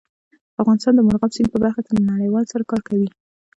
افغانستان د مورغاب سیند په برخه کې له نړیوالو سره کار کوي.